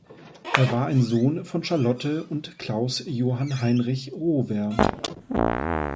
Er war ein Sohn von Charlotte und Klaus Johann Heinrich Rohwer.